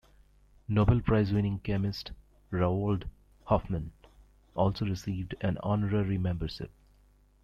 Nobel Prize-winning chemist Roald Hoffman also received an honorary membership.